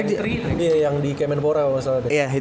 ya yang di kemenpora masalahnya